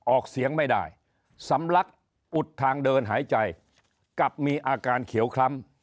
ออกเสียงไม่ได้สำลักอุดทางเดินหายใจกลับมีอาการเขียวคล้ำ